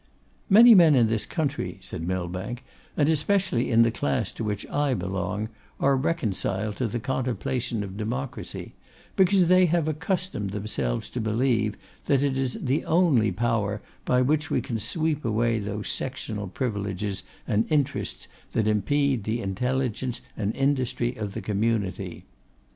'Many men in this country,' said Millbank, 'and especially in the class to which I belong, are reconciled to the contemplation of democracy; because they have accustomed themselves to believe, that it is the only power by which we can sweep away those sectional privileges and interests that impede the intelligence and industry of the community.